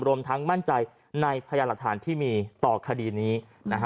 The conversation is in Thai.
รวมทั้งมั่นใจในพยานหลักฐานที่มีต่อคดีนี้นะฮะ